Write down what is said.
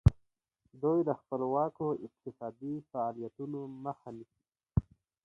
دوی د خپلواکو اقتصادي فعالیتونو مخه نیسي.